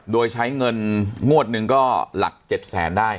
โดยใช้เงินงวดหนึ่งก็หลัก๗๐๐๐๐๐๐บาทได้